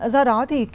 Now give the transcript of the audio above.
do đó thì